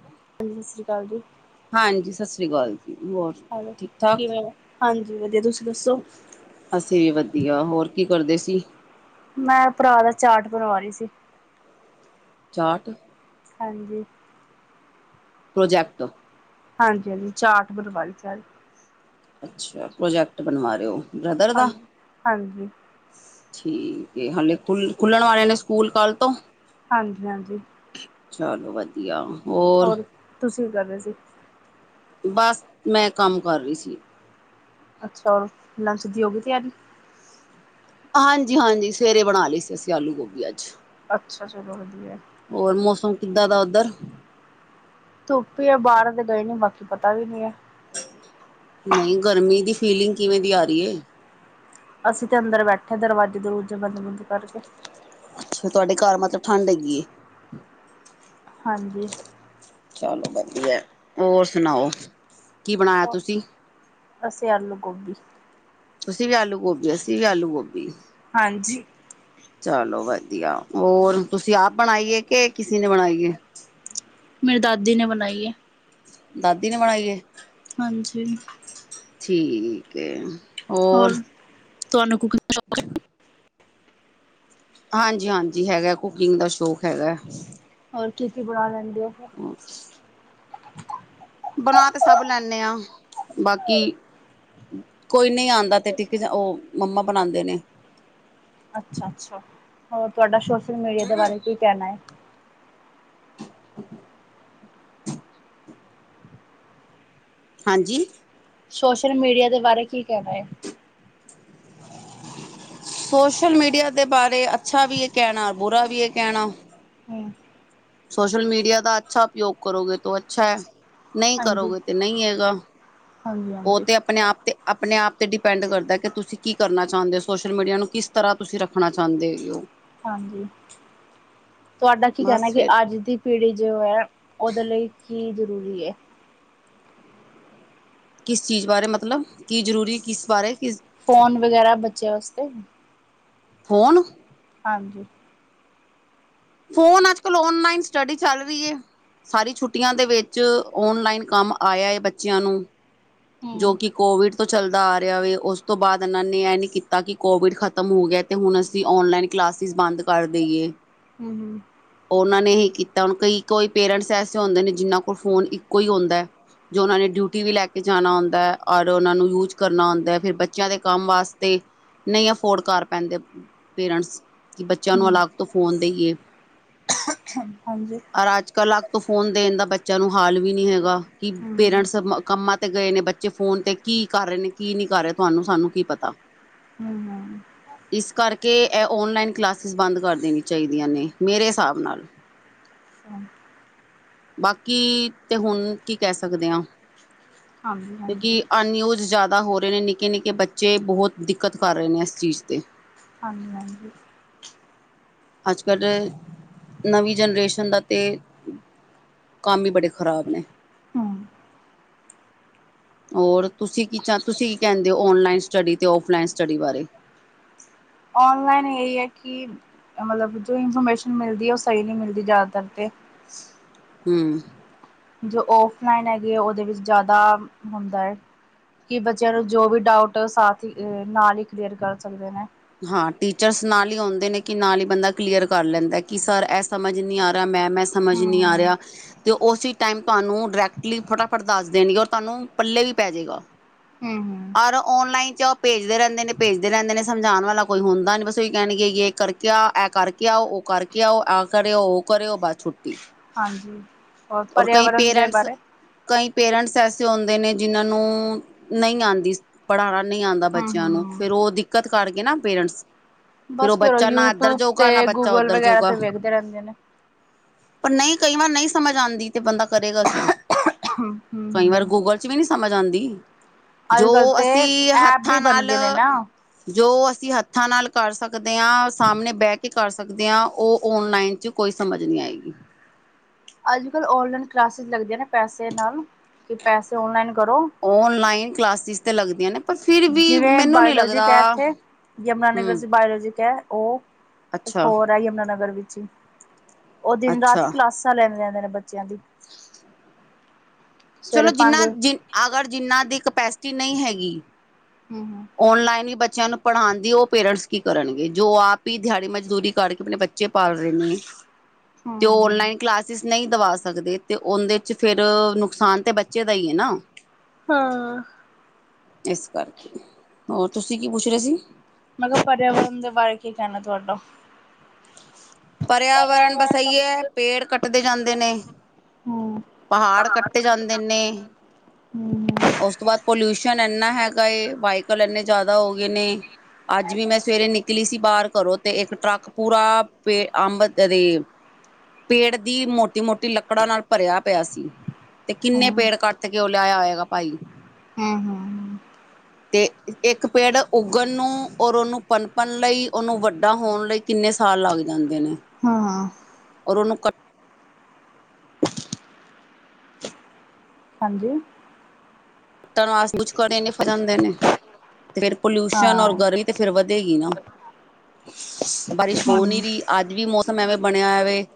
ਹਾਂ ਸਤਿ ਸ਼੍ਰੀ ਅਕਾਲ ਜੀ। ਹਾਂਜੀ ਸਤਿ ਸ੍ਰੀ ਅਕਾਲ ਜੀ ਹੋਰ ਹੈਲੋ ਠੀਕ ਠਾਕ ਕਿਵੇਂ ਹਾਂਜੀ ਵਧੀਆ ਤੁਸੀਂ ਦੱਸੋ ਅਸੀਂ ਵੀ ਵਧੀਆ ਹੋਰ ਕੀ ਕਰਦੇ ਸੀ? ਮੈਂ ਭਰਾ ਦਾ ਚਾਟ ਬਣਵਾ ਰਹੀ ਸੀ। [unintelligible] ਹਾਂਜੀ। ਪ੍ਰੌਜੈਕਟ ਹਾਂਜੀ-ਹਾਂਜੀ ਚਾਟ ਬਰਵੀ ਚ ਅੱਛਾ ਪ੍ਰੋਜੈਕਟ ਬਣਵਾ ਰਹੇ ਹੋ ਬ੍ਰਦਰ ਦਾ ਹਾਂਜੀ ਹਾਂਜੀ ਠੀਕ ਹਾਲੇ ਖੁੱਲ ਖੁੱਲਣ ਵਾਲੇ ਨੇ ਸਕੂਲ ਕੱਲ ਤੋਂ। ਹਾਂਜੀ ਹਾਂਜੀ। ਚਲੋ ਵਧੀਆ ਹੋਰ ਤੁਸੀਂ ਕੀ ਕਰ ਰਦੇ ਸੀ? ਬਸ ਮੈਂ ਕੰਮ ਕਰ ਰਹੀ ਸੀ ਅੱਛਾ ਹੋਰ ਲੰਚ ਦੀ ਹੋ ਗਈ ਤਿਆਰੀ? ਹਾਂਜੀ ਹਾਂਜੀ ਸਵੇਰੇ ਬਣਾ ਲਈਏ ਸੀ ਅਸੀਂ ਆਲੂ ਗੋਭੀ ਅੱਜ ਅੱਛਾ ਚਲੋ ਵਧੀਆ। ਕਿਦਾਂ ਦਾ ਉੱਧਰ ਧੁੱਪ ਹੀ ਆ ਬਾਹਰ ਦੇ ਗਏ ਨੀ ਬਾਕੀ ਪਤਾ ਵੀ ਨੀ ਹੈ। ਨਹੀਂ ਗਰਮੀ ਦੀ ਫੀਲਿੰਗ ਕਿਵੇਂ ਦੀ ਆ ਰਹੀ ਹੈ? ਅਸੀਂ ਤੇ ਅੰਦਰ ਬੈਠੇ ਦਰਵਾਜ਼ੇ ਦਰਵਾਜੇ ਬੰਦ-ਬੰਦ ਕਰਕੇ। ਅੱਛਾ ਤੁਹਾਡੇ ਘਰ ਮਤਲਬ ਠੰਢ ਹੈਗੀ। ਹਾਂਜੀ। ਚਲੋ ਵਧੀਆ ਹੋਰ ਸੁਣਾਓ ਕੀ ਬਣਾਇਆ ਤੁਸੀਂ? ਅਸੀਂ ਆਲੂ ਗੋਭੀ। ਤੁਸੀਂ ਵੀ ਆਲੂ ਗੋਭੀ ਅਸੀਂ ਵੀ ਆਲੂ ਗੋਭੀ। ਹਾਂਜੀ। ਚਲੋ ਵਧੀਆ ਹੋਰ ਤੁਸੀਂ ਆਪ ਬਣਾਈਏ ਕਿ ਕਿਸੇ ਨੇ ਬਣਾਈਏ ਮੇਰੀ ਦਾਦੀ ਨੇ ਬਣਾਈ ਹੈ। ਦਾਦੀ ਨੇ ਬਣਾਈ ਹਾਂਜੀ। ਠੀਕ ਹੈ ਹੋਰ। ਤਹਨੂੰ [unintelligible] ਹਾਂਜੀ-ਹਾਂਜੀ ਹੈਗਾ ਕੁਕਿੰਗ ਦਾ ਸ਼ੌਕ ਹੈਗਾ। ਹੋਰ ਕੀ ਕੀ ਬਣਾ ਲੈਂਦੇ ਆ ਫ ਬਣਾ ਤੇ ਸਭ ਲੈਂਣੇ ਆ ਬਾਕੀ ਕੋਈ ਨਹੀਂ ਆਉਂਦਾ ਤੇ ਟਿਕ ਉਹ ਮੰਮਾ ਬਣਾਉਂਦੇ ਨੇ ਅੱਛਾ ਅੱਛਾ ਹੋਰ ਤੁਹਾਡਾ ਸੋਸ਼ਲ ਮੀਡੀਆ ਦੇ ਬਾਰੇ ਕੀ ਕਹਿਣਾ ਹੈ ਹਮ ਹਾਂਜੀ ਸੋਸ਼ਲ ਮੀਡੀਆ ਦੇ ਬਾਰੇ ਕੀ ਕਹਿਣਾ ਹੈ ਸੋਸ਼ਲ ਮੀਡੀਆ ਦੇ ਬਾਰੇ ਅੱਛਾ ਵੀ ਇਹ ਕਹਿਣਾ ਬੁਰਾ ਵੀ ਇਹ ਕਹਿਣਾ ਹੂੰ, ਸੋਸ਼ਲ ਮੀਡੀਆ ਦਾ ਅੱਛਾ ਉਪਯੋਗ ਕਰੋਗੇ ਤਾਂ ਅੱਛਾ ਹੈ ਨਹੀਂ ਹਾਂਜੀ। ਕਰੋਗੇ ਤੇ ਨਹੀਂ ਹੈਗਾ ਹਾਂਜੀ ਉਹ ਹਾਂਜੀ। ਤੇ ਆਪਣੇ ਆਪ ਤੇ ਆਪਣੇ ਆਪ ਤੇ ਡਿਪੈਂਡ ਕਰਦਾ ਕਿ ਤੁਸੀਂ ਕੀ ਕਰਨਾ ਚਾਹੁੰਦੇ ਹੋ ਸੋਸ਼ਲ ਮੀਡੀਆ ਨੂੰ ਕਿਸ ਤਰ੍ਹਾਂ ਤੁਸੀਂ ਰੱਖਣਾ ਚਾਹੁੰਦੇ ਹੋ ਹਾਂਜੀ ਤੁਹਾਡਾ ਕੀ ਕਹਿਣਾ ਬਸ ਕਿ ਫਿਰ ਅੱਜ ਦੀ ਪੀੜ੍ਹੀ ਜੋ ਹੈ ਉਹਦੇ ਲਈ ਕੀ ਜ਼ਰੂਰੀ ਹੈ ਕਿਸ ਚੀਜ਼ ਬਾਰੇ ਮਤਲਬ ਕੀ ਜ਼ਰੂਰੀ ਹੈ ਕਿਸ ਬਾਰੇ ਕਿਸ ਫੋਨ ਵਗੈਰਾ ਬਚਿਆ ਉਸਤੇ ਫੋਨ ਹਾਂਜੀ ਫੋਨ ਅੱਜ ਕੱਲ ਓਨਲਾਈਨ ਸਟੱਡੀ ਚੱਲ ਰਹੀ ਹੈ ਸਾਰੀ ਛੁੱਟੀਆਂ ਦੇ ਵਿੱਚ ਔਨਲਾਈਨ ਕੰਮ ਆਇਆ ਹੈ ਬੱਚਿਆਂ ਨੂੰ ਜੋ ਹੂੰ। ਕਿ ਕੋਵਿਡ ਤੋਂ ਚਲਦਾ ਆ ਰਿਹਾ ਵ ਉਸ ਤੋਂ ਬਾਅਦ ਇਹਨਾਂ ਨੇ ਇਹ ਨੀ ਕੀਤਾ ਕਿ ਕੋਵਿਡ ਖਤਮ ਹੋ ਗਿਆ ਤੇ ਹੁਣ ਅਸੀਂ ਓਨਲਾਈਨ ਕਲਾਸਿਸ ਬੰਦ ਕਰ ਦੇਈਏ ਹਮ ਹਮ ਉਹਨਾਂ ਨੇ ਹੀ ਕੀਤਾ ਹੁਣ ਕਈ ਕੋਈ ਪੇਰੈਂਟਸ ਐਸੇ ਹੁੰਦੇ ਨੇ ਜਿਨਾਂ ਕੋਲ ਫੋਨ ਇੱਕੋ ਹੀ ਹੁੰਦਾ ਹੈ ਜੋ ਉਹਨਾਂ ਨੇ ਡਿਊਟੀ ਵੀ ਲੈ ਕੇ ਜਾਣਾ ਹੁੰਦਾ ਹੈ ਔਰ ਉਹਨਾਂ ਨੂੰ ਯੂਜ ਕਰਨਾ ਹੁੰਦਾ ਹੈ ਫਿਰ ਬੱਚਿਆਂ ਦੇ ਕੰਮ ਵਾਸਤੇ ਨਹੀਂ ਅਫੋਰਡ ਕਰ ਪੈਂਦੇ ਪੇਰੈਂਟਸ ਕਿ ਬੱਚਿਆਂ ਨੂੰ ਹੂੰ ਅਲੱਗ ਤੋਂ ਫੋਨ ਦੇਈਏ ਹੂੰ ਹਾਂਜੀ ਰ ਅੱਜ ਕੱਲ੍ਹ ਅਲੱਗ ਤੋਂ ਫੋਨ ਦੇਣ ਦਾ ਬੱਚਿਆਂ ਨੂੰ ਹਾਲ ਵੀ ਨੀ ਹੈਗਾ ਕਿ ਹੂੰ ਪੇਰੈਂਟਸ ਕੰਮਾਂ ਤੇ ਗਏ ਨੇ ਬੱਚੇ ਫੋਨ ਤੇ ਕੀ ਕਰ ਰਹੇ ਨੇ ਕੀ ਨਹੀਂੀ ਕਰ ਰਹੇ ਤੁਹਾਨੂੰ ਸਾਨੂੰ ਕੀ ਪਤਾ ਹਮ ਇਸ ਕਰਕੇ ਇਹ ਓਨਲਾਈਨ ਕਲਾਸਿਸ ਬੰਦ ਕਰ ਦੇਣ ਚਾਹੀਦੀਆਂ ਨੇ ਮੇਰੇ ਹਿਸਾਬ ਨਾਲ ਹਾਂ ਬਾਕੀ ਤੇ ਹੁਣ ਕੀ ਕਹਿ ਸਕਦੇ ਹਾਂ ਹਾਂਜੀ ਹਾਂਜੀ ਕਿਉਂਕਿ ਅਨਿਊਜ਼ ਜ਼ਿਆਦਾ ਪਦਾ ਹੋ ਰਹੇ ਨੇ ਨਿੱਕੇ ਨਿੱਕੇ ਬੱਚੇ ਬਹੁਤ ਦਿੱਕਤ ਕਰ ਰਹੇ ਨੇ ਇਸ ਚੀਜ਼ ਤੇ ਹਾਂਜੀ ਹਾਂਜੀ ਅੱਜ ਕੱਲ੍ਹ ਨਵੀਂ ਜਨਰੇਸ਼ਨ ਦਾ ਤੇ ਕੰਮ ਵੀ ਬੜੇ ਖਰਾਬ ਨੇ ਹੂੰ [inaudible] ਹੋਰ ਤੁਸੀਂ ਕੀ ਤੁਸੀਂ ਕੀ ਕਹਿੰਦੇ ਹੋ ਓਨਲਾਈਨ ਸਟਡੀ ਤੇ ਫਲਾਈਨ ਸਟੱਡੀ ਬਾਰੇ [inaudible] ਔਨਲਾਈਨ ਇਹੀ ਹੈ ਕਿ ਮਤਲਬ ਜੋ ਇਨਫੋਰਮੇਸ਼ਨ ਮਿਲਦੀ ਹੈ ਉਹ ਸਹੀ ਨਹੀਂ ਮਿਲਦੀ ਜ਼ਿਆਦਾਤਰ ਤੇ [inaudible] ਹਮ ਜੋ ਓਫਲਾਈਨ ਹੈਗੀ ਆ ਉਹਦੇ ਵਿੱਚ ਜ਼ਿਆਦਾ ਹੁੰਦਾ ਹੈ ਕਿ ਬੱਚਿਆਂ ਨੂੰ ਜੋ ਵੀ ਡਾਊਟ ਸਾਥ ਨਾਲ ਹੀ ਕਲੀਅਰ ਕਰ ਸਕਦੇ ਨੇ ਹਾਂ ਟੀਚਰਸ ਨਾਲ ਹੀ ਆਉਂਦੇ ਨੇ ਕਿ ਨਾਲ ਹੀ ਬੰਦਾ ਕਲੀਅਰ ਕਰ ਲੈਂਦਾ ਕਿ ਸਰ ਇਹ ਸਮਝ ਨਹੀਂ ਆ ਰਿਹਾ ਮੈਂ ਮੈਂ ਸਮਝ ਨਹੀਂ ਆ ਹਮ ਰਿਹਾ ਅਤੇ ਉਸ ਟਾਈਮ ਤੁਹਾਨੂੰ ਡਾਇਰੈਕਟਲੀ ਫਟਾਫਟ ਦੱਸ ਦੇਣਗੇ ਔਰ ਤੁਹਾਨੂੰ ਪੱਲੇ ਵੀ ਪੈ ਜਾਵੇਗਾ ਹਮ ਹਮ ਰ ਔਨਲਾਈਨ ਚ ਉਹ ਭੇਜਦੇ ਰਹਿੰਦੇ ਨੇ ਭੇਜਦੇ ਰਹਿੰਦੇ ਨੇ ਜਾਣ ਵਾਲਾ ਕੋਈ ਹੁੰਦਾ ਨੀ ਬਸਹੀ ਕਹਿਣਗੇ ਕਰਕੇ ਆ ਇਹ ਕਰਕੇ ਆਓ ਉਹ ਕਰਕੇ ਆਓ ਆਹ ਕਰ ਆਓ ਉਹ ਕਰ ਕਰਓ ਬਾਅਛੁੱਟੀ ਹਾਂਜੀ ਹੋਰ ਔਰ ਕਈ ਪਰਿਆਵਰਨ ਦੇ ਪੇਰੈਂਟਸ ਬਾਰੇ ਕਈ ਪੇਰੈਂਟਸ ਐਸੇ ਹਉਦੇ ਨੇ ਜਿਹਨਾਂ ਨੂੰ ਨਹੀਂ ਆਉਂਦੀ ਪੜ੍ਹਾਉਣਾ ਨਹੀਂ ਆਉਂਦਾ ਹਮ ਬੱਚਿਆਂ ਨੂੰ ਹਮ ਫੇਰ ਉਹ ਦਿੱਕਤ ਕਰ ਕਰਕੇ ਨਾ ਪੇਰੈਂਟਸ ਫਿਰ ਉਹ ਬਸ ਬੱਚਾ ਨਾ ਇੱਧਰ ਯੂਟਿਊਬ ਜੋਗਾ ਨਾ ਤੇ ਬੱਚਾ ਗੂਗਲ ਉੱਧਰ ਵਗੈਰਾ ਜੋਗਾ ਤੇ ਵੇਖਦੇ ਰਹਿੰਦੇ ਨੇ ਪਰ ਨਹੀਂ ਕਈ ਵਾਰ ਨਹੀਂ ਸਮਝ ਆਂਦੀ ਤੇ ਬੰਦਾ ਕਰੇਗਾ ਕੀ ਹਮ ਕਈ ਵਾਰ ਹਮ ਗੂਗਲ ਚ ਵੀ ਨੀ ਸਮਝ ਆਉਂਦੀ ਜੋ ਅੱਜ ਕੱਲ ਤੇ ਅਸੀਂ ਐਪ ਵੀ ਹੱਥਾਂ ਬਣ ਨਾਲ ਗਏ ਨੇ ਨਾ ਜੋ ਅਸੀਂ ਹੱਥਾਂ ਨਾਲ ਕਰ ਸਕਦੇ ਹਾਂ ਸਾਹਮਣੇ ਬਹਿ ਕੇ ਕਰ ਸਕਦੇ ਹਾਂ ਉਹ ਔਨਲਾਈਨ 'ਚ ਕੋਈ ਸਮਝ ਨਹੀਂੀ ਆਏਗੀ ਅੱਜ ਕੱਲ੍ਹ ਔਨਲਾਈਨ ਕਲਾਸਿਸ ਲੱਗਦੀਆਂ ਨੇ ਪੈਸੇ ਨਾਲ ਕਿ ਪੈਸੇ ਨਲਾਈਨ ਓਨਲਾਈਨ ਕਲਾਸਿਸ ਤੇ ਲੱਗਦੀਆਂ ਨੇ ਪਰ ਫਿਰ ਵੀ ਜਿਵੇਂ ਮੈਨੂੰ ਨਹੀਂ ਲੱਗਦਾ ਬਾਇਓਲੋਜਿਕ ਹੈ ਇੱਥੇ ਯਮੁਨਾਨਗਰ ਹਮ ਚ ਬਾਇਓਲੋਜਿਕ ਹੈ ਉਹ ਇੱਕ ਅੱਛਾ ਹੋਰ ਹੈ ਯਮੁਨਾਾਨਗਰ ਵਿੱਚ ਹੀ ਉਹ ਦਿਨ ਰਾਤੀ ਅੱਛਾ ਕਲਾਸਾਂ ਲੈਂਦੇ ਨੇ ਬੱਚਿਆਂ ਦੀ ਚਲੋ ਸਵੇਰੇ ਪੰਜ ਜਿੰਨ੍ਹਾਂ ਜਿ ਹੂੰ ਅਗਰ ਜਿੰਨ੍ਹਾਂ ਦੀ ਕਪੈਸਿਟੀ ਨਹੀਂ ਹੈਗੀ ਔਨਲਾਈਨ ਹੀ ਬ ਬੱਚਿਆਂ ਨੂੰ ਪੜ੍ਹਾਉਣ ਦੀ ਉਹ ਪੇਰੈਂਟਸ ਕੀ ਕਰਨਗੇ ਜੋ ਆਪ ਹੀ ਦਿਹਾੜੀ ਮਜ਼ਦੂਰੀ ਕਰਕੇ ਆਪਣੇ ਬੱਚੇ ਬੱਚੇ ਪਾਲ ਰਹੇ ਨੇ ਹੂੰ ਤੇ ਉਹ ਹੂੰ ਔਨਲਾਈਨ ਕਲਾਸਿਸ ਨਹੀਂ ਦਵਾ ਸਕਦੇ ਤੇ ਉਹਦੇ ਚ ਫੇਿਰ ਨੁਕਸਾਨ ਤਾਂ ਬੱਚੇ ਦਾ ਹੀ ਹੈ ਨਾ ਹਾਂ ਇਸ ਕਰਕੇ ਹੋਰ ਤੁਸੀਂ ਕੀ ਪੁੱਛ ਰਹੇ ਸੀ ਮੈਂ ਕਿਹਾ ਪਰਿਆਵਰਨ ਦੇ ਬਾਰੇ ਕੀ ਕਹਿਣਾ ਤੁਹਾਡਾ ਪਰਿਆਵਰਨ ਵਸਾਈਏ ਪੇੜ ਕੱਟਦੇ ਜਾਂਦੇ ਨੇ ਹੂੰ ਪਹਾੜ ਕੱਟੇ ਜਾਂਦੇ ਨੇ ਹੂੰ ਉਸ ਤੋਂ ਬਾਅਦ ਪੋਲਿਊਸ਼ਨ ਇੰਨਾ ਹੈਗਾ ਏ ਵੀਕਲ ਇੰਨੇ ਜ਼ਿਆਦਾ ਹੋ ਗਏ ਨੇ ਅੱਜ ਵੀ ਮੈਂ ਸਵੇਰੇ ਨਿਕਲੀ ਸੀ ਬਾਹਰ ਘਰੋਂ ਤੇ ਇੱਕ ਟਰੱਕ ਪੂਰਾ ਪੇ ਅੰਬ ਦੇ [unintelligible] ਪੇੜ ਦੀ ਮੋਟੀ ਮੋਟੀ ਲੱਕੜਾਂ ਨਾਲ ਭਰਿਆ ਪਿਆ ਸੀ ਤੇ ਕਿੰਨੇ ਪੇੜ ਕੱਟ ਕੇ ਉਹ ਲੈ ਹੋਏਗਾ ਭਾਈ ਹਮ ਹਮ ਹਮ ਤੇ ਇੱਕ ਪੇੜ ਉੱਗਣ ਨੂੰ ਔਰ ਉਹਨੂੰ ਪਨਪਨ ਲਈ ਉਹਨੂੰ ਵੱਡਾ ਹੋਣ ਲਈ ਕਿੰਨੇ ਸਾਲ ਲੱਗ ਜਾਂਦੇ ਨੇ ਹਾਂ ਹਾਂ ਔਰ ਉਹਨੂੰ ਕੱ [unintelligible] ਹਾਂਜੀ ਟਾਂ ਨੂੰ ਆਸੇ ਜਾਂਦੇ ਨੇ [inaudible] ਤੇ ਫੇਰ ਪੋਲਿਊਸ਼ਨ ਔਰ ਹਾਂ ਗਰਮੀ ਤੇ ਫੇਰ ਵਧੇਗੀ ਨਾ ਬਾਰਿਸ਼ ਹੋ ਹੂੰ ਨਹੀਂ ਰਹੀ ਅੱਜ ਵੀ ਮੌਸਮ ਐਵੇਂ ਬਣਿਆ ਹੋਇਆ ਵੇ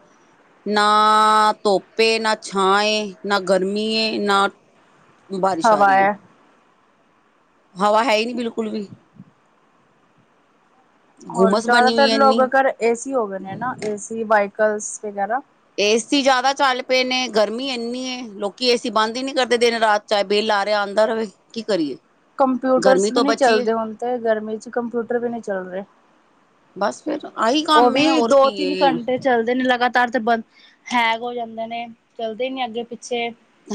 ਨਾ ਧੁੱਪ ਨਾ ਛਾਂ ਏ ਨਾ ਗਰਮੀ ਨਾ ਬਾਰਿਸ਼ ਆ ਰਹੀ ਹੈ [inaudible] ਹਵਾ ਹੈ ਹੀ ਨੀ ਬਿਲਕੁਲ ਵੀ ਹੋਰ ਗੁਮਸ ਬਣੀ ਹੋਈ ਜ਼ਿਆਦਾਤਰ ਹੈ ਲੋਕ ਇੰਨੀ ਅਗਰ ਏਸੀ ਹੋ ਗਏ ਨੇ ਨਾ ਏਸੀ ਵਹੀਕਲਸ ਵਗੈਰਾ ਏਸੀ ਜ਼ਿਆਦਾ ਚੱਲ ਪਏ ਨੇ ਗਰਮੀ ਇੰਨੀ ਹੈ ਲੋਕੀ ਏਸੀ ਬੰਦ ਹੀ ਨਹੀ ਕਰਦੇ ਦਿਨ ਰਾਤ ਚਾਹੇ ਬਿਲ ਕੀ ਚਾਹੇ ਆਉਂਦਾ ਰਹੇ ਕੀ ਕਰੀਏ ਕੰਪਿਊਟਰਸ ਗਰਮੀ ਵੀ ਤੋਂ ਨਹੀਂ ਬਚੀਏ ਚੱਲਦੇ ਹੁਣ ਤੇ ਗਰਮੀ ਚ ਕੰਪਿਊਟਰ ਵੀ ਨਹੀਂ ਚੱਲ ਰਹੇ ਬਸ ਫਿਰ ਆਹੀ ਉਹ ਕੰਮ ਹੈ ਵੀ ਹੋਰ ਦੋ ਕੀ ਤਿੰਨ ਹੈ, ਘੰਟੇ ਚੱਲਦੇ ਨੇ ਲਗਾਤਾਰ ਤੇ ਬੰ ਹੈਗ ਹੋ ਜਾਂਦੇ ਨੇ ਚੱਲਦੇ ਨੀ ਅੱਗੇ ਪਿੱਛੇ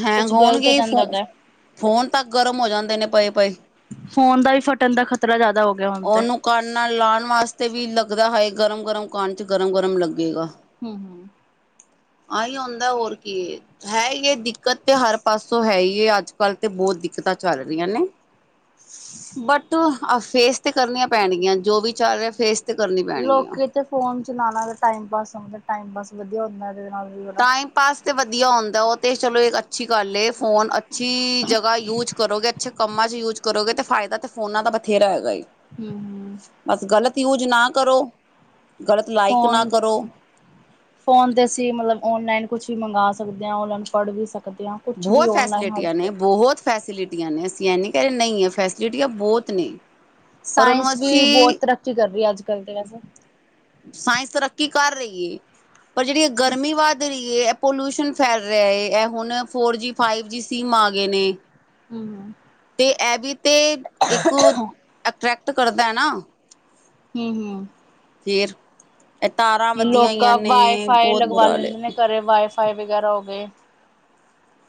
ਹੈਂਗ ਕੁਛ ਗ਼ਲਤ ਹੋ ਹੋਣਗੇ ਜਾਂਦਾ ਫੋ ਉਹਦਾ ਫੋਨ ਤਾਂ ਗਰਮ ਹੋ ਜਾਂਦੇ ਨੇ ਪਏ ਪਏ ਫੋਨ ਦਾ ਵੀ ਫਟਣ ਦਾ ਖ਼ਤਰਾ ਜ਼ਿਆਦਾ ਹੋ ਗਿਆ ਹੁਣ ਤੇ ਉਹਨੂੰ ਕਣ ਨਾਲ ਲਾਉਣ ਵਾਸਤੇ ਵੀ ਲੱਗਦਾ ਹੈ ਗਰਮ ਗਰਮ ਕਣ ਚ ਗਰਮ ਗਰਮ ਲੱਗੇਗਾ ਹਮ ਹਮ ਆਹੀ ਆਉਂਦਾ ਹੋਰ ਕੀ ਹੈ ਹੀ ਇਹ ਦਿੱਕਤ ਤੇ ਹਰ ਪਾਸੋਂ ਹੈ ਹੀ ਇਹ ਅੱਜ ਕੱਲ੍ਹ ਤੇ ਬਹੁਤ ਦਿੱਕਤਾਂ ਚੱਲ ਰਹੀਆਂ ਨੇ ਬਟ ਫੇਸ ਤੇ ਕਰਨੀਆਂ ਪੈਣਗੀਆਂ ਜੋ ਵੀ ਚੱਲ ਰਿਹਾ ਫੇਸ ਤੇ ਕਰਨੀ ਪੈਣਗੀਆਂ ਲੋਕ ਤੇ ਫੋਨ ਚ ਨਾ ਟਮ ਪਾਸ ਟਮ ਪਾਸ ਵਧੀਆ ਹੁੰਦਾ ਇਹਦੇ ਨਾਲ ਵੀ ਬੜਾ ਟਾਈਮ ਪਾਸ ਤੇ ਵਧੀਆ ਹੁੰਦਾ ਉਹ ਤੇ ਚਲੋ ਇੱਕ ਅੱਛੀ ਗੱਲ ਫੋਨ ਅੱਛੀ ਜਗ੍ਹਾ ਯੂਜ ਕਰੋਗੇ ਅੱਛੇ ਕੰਮਾਂ 'ਚ ਯੂਜ ਕਰੋਗੇ ਅਤੇ ਫਾਇਦਾ ਤਾਂ ਫੋਨਾਂ ਦਾ ਬਥੇਰਾ ਹੈਗਾ ਜੀ ਹਮ ਹਮ ਜ ਨਾ ਕਰੋ ਗ਼ਲਤ ਲਾਈਕ ਨਾ ਫੋਨ ਕਰੋ ਫੋਨ ਤੇ ਅਸੀ ਮਤਲਬ ਔਨਲਾਈਨ ਕੁਛ ਵੀ ਮੰਗਾ ਸਕਦੇ ਹਾਂ ਔਲਾਈਨ ਪੜ੍ਹ ਵੀ ਸਕ ਬਹੁਤ ਫੈਸਿਲਿਟੀਆਂ ਨੇ ਬਹੁਤ ਫੈਸਿਲਿਟੀਆਂ ਨੇ ਅਸੀ ਐਨ ਕਹੇ ਨਹੀਂ ਹੈ ਫੈਸਿਲਿਟੀਆਂ ਬਹੁਤ ਨੇ ਪਰ ਉਹਨੂੰ ਸਾਇੰਸ ਵੀ ਬਹੁਤ ਅਸੀਂ ਤਰੱਕੀ ਕਰ ਰਹੀ ਹੈ ਅੱਜ ਕੱਲ ਤੇ ਵੈਸੇ ਸਾਇੰਸ ਤਰੱਕੀ ਕਰ ਰਹੀ ਹੈ ਪਰ ਜਿਹੜੀ ਗਰਮੀ ਵੱਧ ਰਹੀ ਹੈ ਪੋਲਿਊਸ਼ਨ ਫੈਲ ਰਿਹਾ ਹੈ ਇਹ ਹੁਣ four G five G sim ਆ ਗਏ ਨੇ ਹਮ ਹਮ ਤੇ ਇਹ ਵੀ ਤੇ ਇੱਕ ਅਟਰ੍ਰੈਕਟ ਕਰਦਾ ਹੈ ਨਾ ਹਮ ਹਮ [inaudible] ਵੀ ਵੱਧੀਆਂ ਹੋਈਆਂ ਲੋਕਾਂ ਨੇ ਵਾਈਫਾਈ ਬਹੁਤ ਲਗਵਾ ਬੁਰਾ ਹਾਲ ਹੈ ਲੈਂਦੇ ਨੇ ਘਰੇ ਵਾਈਫਾਈ ਵਗੈਰਾ ਹੋ ਗਏ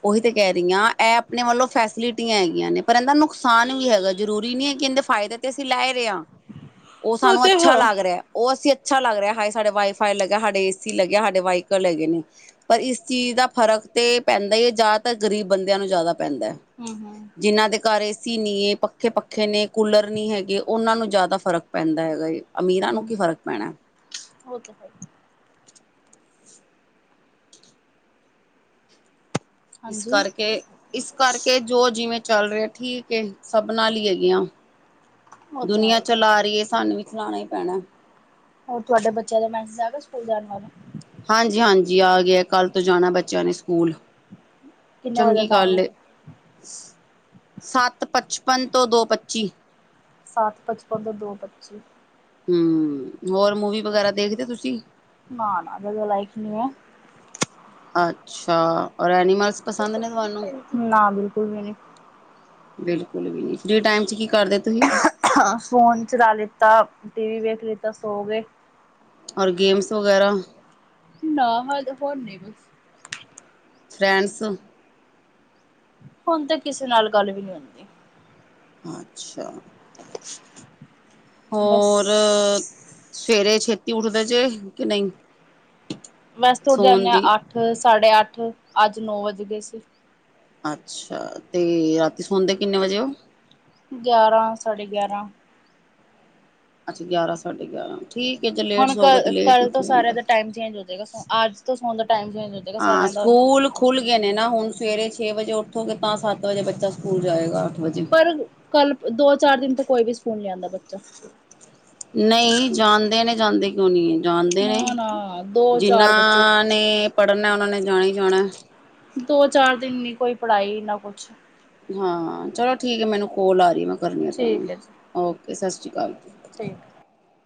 ਉਹੀ ਤੇ ਕਹਿ ਰਹੀ ਹਾਂ ਇਹ ਆਪਣੇ ਵੱਲੋਂ ਫੈਸਿਲਿਟੀਆਂ ਹੈਗੀਆਂ ਨੇ ਪਰ ਇਹਦਾ ਨੁਕਸਾਨ ਵੀ ਹੈਗਾ ਜਰੂਰੀ ਨੀ ਹੈ ਕਹਿੰਦੇ ਫਾਇਦਾ ਤੇ ਅਸੀਂ ਲੈ ਰਹੇ ਹਾਂ ਉਹ ਸਾਨੂੰ ਤੇ ਅੱਛਾ ਹੈ। ਲੱਗ ਰਿਹਾ ਉਹ ਅਸੀਂ ਅੱਛਾ ਲੱਗ ਰਿਹਾ ਹਾਏ ਸਾਡੇ ਵਾਈਫਾਈ ਲੱਗਿਆ ਸਾਡੇ ਏ ਸੀ ਲੱਗਿਆ ਸਾਡੇ ਵਾਈਕਲ ਲੱਗੇ ਨੇ ਪਰ ਇਸ ਚੀਜ਼ ਦਾ ਫਰਕ ਤੇ ਪੈਂਦਾ ਹੀ ਹੈ ਜ਼ਿਆਦਾਤਰ ਗਰੀਬ ਬੰਦਿਆਂ ਨੂੰ ਜ਼ਿਆਦਾ ਪੈਂਦਾ ਹੈ ਹੂੰ-ਹੂੰ, ਜਿਹਨਾਂ ਦੇ ਘਰ ਸੀ ਨਹੀਂ ਏ ਪੱਖੇ ਪੱਖੇ ਨੇ ਕੂਲਰ ਨਹੀਂ ਹੈਗੇ ਉਹਨਾਂ ਨੂੰ ਜ਼ਿਆਦਾ ਫ਼ਰਕ ਪੈਂਦਾ ਹੈਗਾ ਏ ਅਮੀਰਾਂ ਨੂੰ ਹੂੰ ਕੀ ਹੂੰ ਫ਼ਰਕ ਪੈਣਾ ਉਹ ਤੇ ਹੈ ਇਸ ਹਾਂਜੀ ਕਰਕੇ ਇਸ ਕਰਕੇ ਜੋ ਜਿਵੇਂ ਚੱਲ ਰਿਹਾ ਠੀਕ ਏ ਸਭ ਨਾਲ ਲਈ ਹੈਗੀਆਂ ਉਹ ਤੇ ਦੁਨੀਆਂ ਹੈ। ਚਲਾ ਰਹੀ ਹੈ ਸਾਨੂੰ ਵੀ ਸਣਾਣਾ ਹੀਈ ਪੈਣਾ ਹੋਰ ਤੁਹਾਡੇ ਬੱਚਿਆਂ ਦਾ ਮੈਸੇਜ ਆ ਗ ਸਕੂਲ ਜਾਣ ਬਾਰੇ ਹਾਂਜੀ ਹਾਂਜੀ ਆ ਗਿਆ ਕੱਲ੍ਹ ਤੋਂ ਜਾਣਾ ਬੱਚਿਆਂ ਨੇ ਸਕੂਲ ਕਿੰਨੇ ਵਜੇ ਦਾ ਚੰਗੀ ਟਾਈਮ ਗੱਲ ਏ ਹੈ ਸੱਤ ਪਚਪਨ ਤੋਂ ਦੋ ਪੱਚੀ ਸੱਤ ਪਚਪਨ ਤੋਂ ਦੋ ਪੱਚੀ ਹਮ ਹੋਰ ਮੂਵੀ ਵਗੈਰਾ ਦੇਖਦੇ ਤੁਸੀਂ ਸੁਨ ਅੱਛਾ ਔਰ ਐਨੀਮਲਸ ਪਸੰਦ ਨੇ ਤੁਹਾਨੂੰ ਨਾ ਬਿਲਕੁਲ ਵੀ ਨੀ ਬਿਲਕੁਲ ਵੀ ਨੀ ਫਰੀ ਟਾਈਮ ਚ ਕੀ ਕਰਦੇ ਤੁਸੀਂ ਫੋਨ ਚਲਾ ਲਿੱਤਾ ਟੀ ਵੀ ਵੇਖ ਲਿੱਤਾ ਸੋ ਗਏ ਔਰ ਗੇਮਸ ਵਗੈਰਾ ਨਾ ਹ ਹੋਰ ਨੇ ਬਸ ਫਰਾਂਸ ਹੁਣ ਤਾਂ ਕਿਸੇ ਨਾਲ ਗੱਲ ਵੀ ਨਹੀਂੀ ਹੁੰਦੀ ਅੱਛਾ [inaudible] ਹੋਰ ਬਸ ਸਵੇਰੇ ਛੇਤੀ ਉੱਠਦੇ ਜੇ ਕਿ ਨਹੀਂ ਵੈਸੇ ਤੁਰ ਸੋਣ ਜਾਂਦੇ ਦੀ ਹ ਅੱਠ ਸਾਢੇ ਅੱਠ ਅੱਜ ਨੌ ਵੱਜ ਗਏ ਸੀ ਅੱਛਾ ਤੇ ਰਾਤੀ ਸੋਣਦੇ ਕਿੰਨੇ ਵਜੇ ਉਹ ਗਿਆਰਾਂ ਸਾਡੇ ਗਿਆਰਾਂ ਅੱਛਾ ਗਿਆਰਾਂ ਸਾਢੇ ਗਿਆਰਾਂ ਠੀਕ ਹੈ ਜੇ ਲੇਟ ਹੁਣ ਕ ਸੋ ਗਏ ਤੇ ਲੇਟ ਹੀ ਕੱਲ੍ਹ ਤੋਂ ਉੱਠਿਆ ਸਾਰਿਆਂ ਜਾਂਦਾ ਦਾ ਟਾਈਮ ਚੇਂਜ ਹੋ ਜਾਏਗਾ ਅੱਜ ਤੋਂ ਸੋਣ ਦਾ ਟਾਈਮ ਚੇਂਜ ਹੋ ਜਾਏਗਾ ਹਾਂ ਸਾਰਿਆਂ ਦਾ ਸਕੂਲ ਖੁੱਲ ਗਏ ਨੇ ਨਾ ਹੁਣ ਸਵੇਰੇ ਛੇ ਵਜੇ ਉੱਠ ਉੱਥੋਂਗੇ ਤਾਂ ਸੱਤ ਵਜੇ ਬੱਚਾ ਸਕੂਲ ਜਾਏਗਾ ਵਜੇ ਪਰ ਕੱਲ ਦੋ ਚਾਰ ਦਿਨ ਤੋਂ ਕੋਈ ਵੀ ਸਕੂਲ ਨਹੀਂ ਆਉਂਦਾ ਬੱਚਾ ਨਹੀਂ ਜਾਣਦੇ ਨੇ ਜਾਂਦੇ ਕਿਉਂ ਨਹੀਂੀ ਜਾਣਦੇ ਨੇ ਨਾ ਨਾ ਦੋ ਜਿੰਨਾ ਚਾਰ ਬੱਚੇ ਨੇ ਪੜ੍ਹਨਾ ਉਹਨਾਂ ਨੇ ਜਾਣਾ ਹੀ ਜਾਣਾ ਦੋ ਚਾਰ ਦਿਨ ਨੀ ਕੋਈ ਪੜ੍ਹਾਈ ਨਾ ਕੁਛ ਹਾਂ ਚਲੋ ਠੀਕ ਹੈ ਮੈਨੂੰ ਕੋਲ ਆ ਰਹੀ ਹੈ ਮੈਂ ਕਰਨੀ ਹ ਤੁਹਾਨੂੰ ਠੀਕ ਹੈ ਜੀ ਓਕੇ ਸਤਿ ਸ਼੍ਰੀ ਅਕਾਲ ਠੀਕ